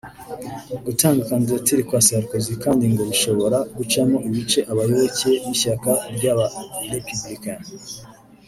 Gutanga kandidatire kwa Sarkozy kandi ngo bishobora gucamo ibice abayoboke b’ishyaka ry’aba-Républicains